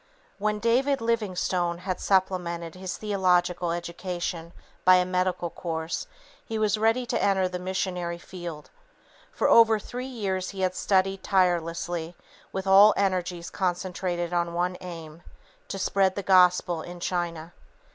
When David Livingstone had supplemented his theological education by a medical course, he was ready to enter the missionary field. For over three years he had studied tirelessly, with all energies concentrated on one aim, to spread the gospel in China.